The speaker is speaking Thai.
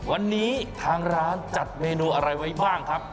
วันนี้ทางร้านจัดเมนูอะไรไว้บ้างครับ